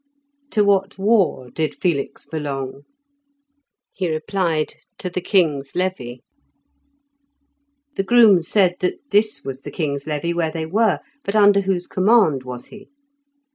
To what "war" did Felix belong? He replied to the king's levy. The groom said that this was the king's levy where they were; but under whose command was he?